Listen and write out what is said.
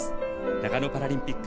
長野パラリンピック